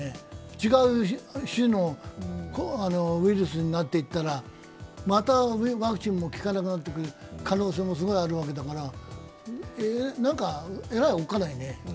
違う種のウイルスになっていったら、またワクチンも効かなくなってくる可能性もすごいあるわけだから、何かえらいおっかないね。